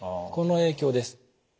この影響です。